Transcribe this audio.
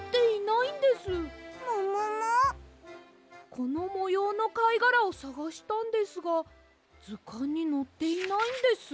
このもようのかいがらをさがしたんですがずかんにのっていないんです。